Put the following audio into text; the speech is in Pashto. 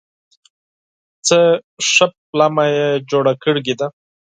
څه ښه پلمه یې جوړه کړې ده !